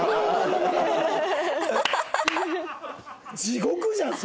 地獄じゃん！